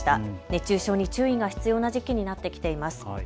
熱中症に注意が必要な時期になってきています。